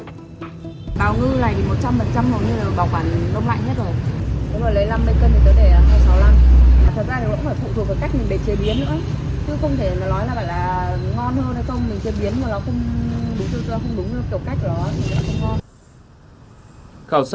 chứ không thể nói là ngon hơn hay không mình truyền biến mà nó không đúng như kiểu cách đó thì nó không ngon